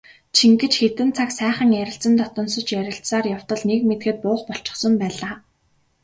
Чингэж хэдэн цаг сайхан ярилцан дотносож ярилцсаар явтал нэг мэдэхэд буух болчихсон байлаа.